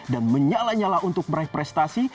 dan menyala nyala untuk meraih prestasi